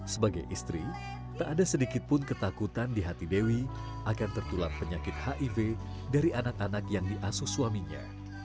sebagai istri tak ada sedikit pun ketakutan di hati dewi akan tertular penyakit hiv dari anak anak yang diasuh suaminya